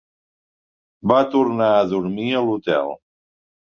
Va tornar a dormir a l'hotel.